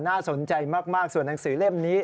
น่าสนใจมากส่วนหนังสือเล่มนี้